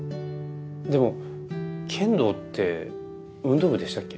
でも剣道って運動部でしたっけ？